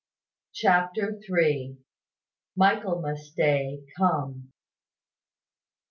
CHAPTER THREE. MICHAELMAS DAY COME.